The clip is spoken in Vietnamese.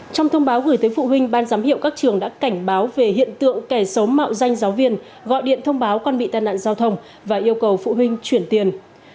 trong thông báo gửi tới phụ huynh ban giám hiệu các trường đã cảnh báo về hiện tượng kẻ xấu mạo danh giáo viên gọi điện thông báo con bị tai nạn giao thông và yêu cầu phụ huynh chuyển tiền